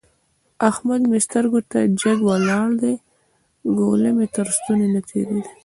احمد مې سترګو ته جګ ولاړ دی؛ ګوله مې تر ستوني نه تېرېږي.